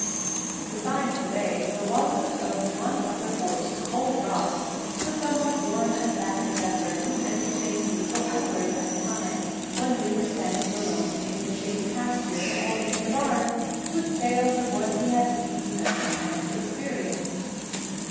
Besides the bays, the Wallaces owned one other horse, old Ross, a somewhat worn and battered veteran, who entertained me for hours at a time, when we were standing alone in the shady pasture or in the barn, with tales of what he had seen, known and experienced.